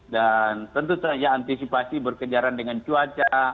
dan tentu saja antisipasi berkejaran dengan cuaca